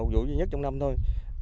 một vụ duy nhất trong năm thôi